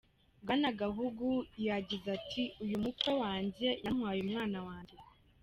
Bwana Gahungu yagize ati: "Uyu mukwe wanje yantwaye umwana wanje.